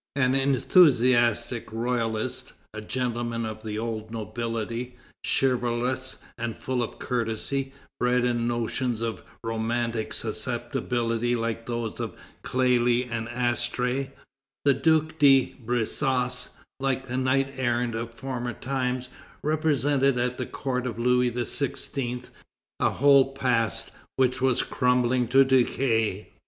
An enthusiastic royalist, a gentleman of the old nobility, chivalrous and full of courtesy, bred in notions of romantic susceptibility like those of Clélie and Astrée, the Duke de Brissac, like a knight errant of former times, represented at the court of Louis XVI. a whole past which was crumbling to decay.